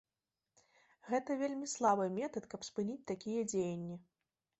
Гэта вельмі слабы метад, каб спыніць такія дзеянні.